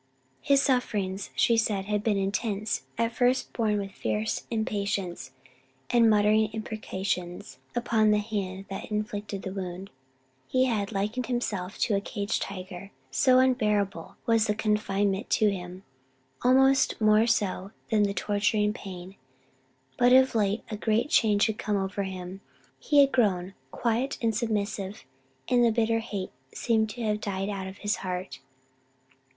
His sufferings, she said, had been intense: at first borne with fierce impatience and muttered imprecations upon the hand that had inflicted the wound. He had likened himself to a caged tiger, so unbearable was the confinement to him, almost more so than the torturing pain but of late a great change had come over him; he had grown quiet and submissive, and the bitter hate seemed to have died out of his heart.